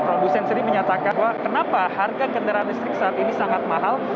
produsen sendiri menyatakan bahwa kenapa harga kendaraan listrik saat ini sangat mahal